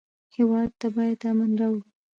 هېواد ته باید امن راوړو